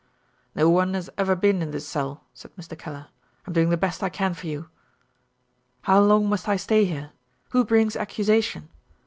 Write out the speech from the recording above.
"No one has ever been in this cell," said Mr. Kellar. "I'm doing the best I can for you." "How long must I stay here? Who brings accusation?"